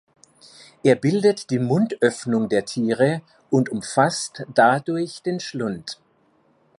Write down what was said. Er bildet die Mundöffnung der Tiere und umfasst dadurch den Schlund.